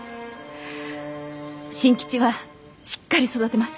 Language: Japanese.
新吉はしっかり育てます。